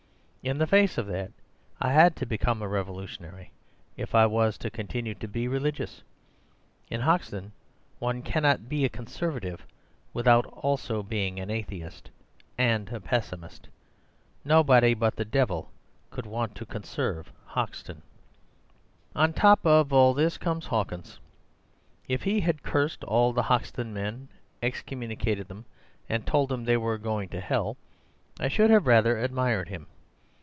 In the face of that I had to become a revolutionary if I was to continue to be religious. In Hoxton one cannot be a conservative without being also an atheist— and a pessimist. Nobody but the devil could want to conserve Hoxton. "On the top of all this comes Hawkins. If he had cursed all the Hoxton men, excommunicated them, and told them they were going to hell, I should have rather admired him.